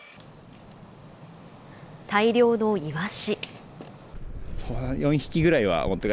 大量のイワシ。